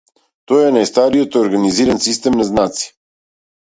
Тоа е најстариот организиран систем на знаци.